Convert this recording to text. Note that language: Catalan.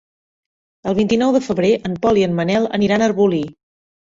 El vint-i-nou de febrer en Pol i en Manel aniran a Arbolí.